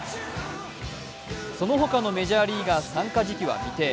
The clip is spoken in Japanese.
そのほかのメジャーリーガー参加時期は未定。